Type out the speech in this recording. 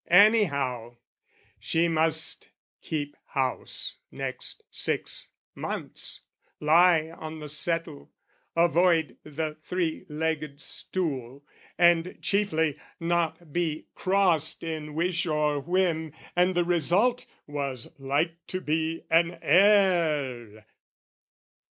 Anyhow, she must keep house next six months, Lie on the settle, avoid the three legged stool, And, chiefly, not be crossed in wish or whim, And the result was like to be an heir.